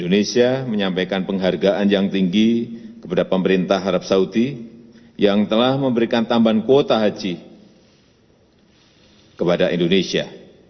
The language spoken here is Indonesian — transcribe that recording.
indonesia menyampaikan penghargaan yang tinggi kepada pemerintah arab saudi yang telah memberikan tambahan kuota haji kepada indonesia